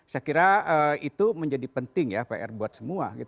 saya kira itu menjadi penting ya pr buat semua